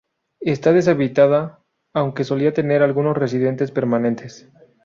Está deshabitada, aunque solía tener algunos residentes permanentes.